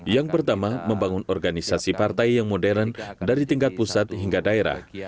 yang pertama membangun organisasi partai yang modern dari tingkat pusat hingga daerah